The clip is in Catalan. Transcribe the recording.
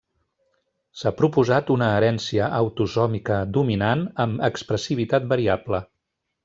S'ha proposat una herència autosòmica dominant amb expressivitat variable.